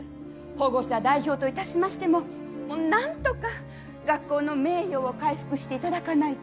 保護者代表と致しましてもなんとか学校の名誉を回復して頂かないと。